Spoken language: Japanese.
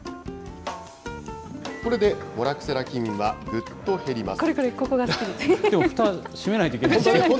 これでモラクセラ菌はぐっと減ります。